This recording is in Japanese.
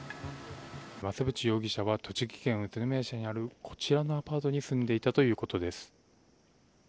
増渕容疑者は栃木県宇都宮市にあるこちらのアパートに住んでいたということです。